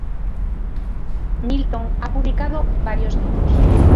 Milton ha publicado varios libros.